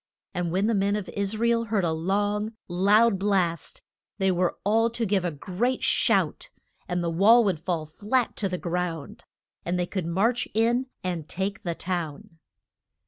And when the men of Is ra el heard a long loud blast they were all to give a great shout and the wall would fall flat to the ground, and they could march in and take the town.